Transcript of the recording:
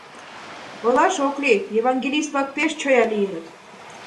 Ойлаш ок лий: евангелист-влак пеш чоя лийыныт.